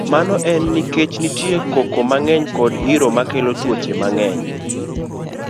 Mano en nikech nitie koko mang'eny kod iro makelo tuoche mang'eny.